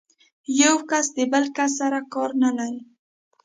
یو کس د بل کس سره کار نه لري.